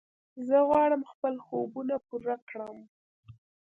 زه غواړم خپل خوبونه پوره کړم.